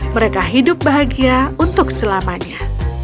mereka hidup bahagia untuk selamanya